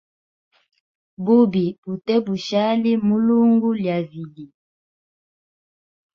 Bubi bute bushali mulungu lya vilye.